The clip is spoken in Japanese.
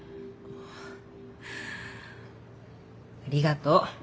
ありがとう。